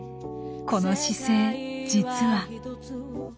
この姿勢実は。